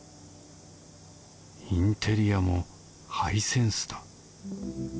インテリアもハイセンスだ。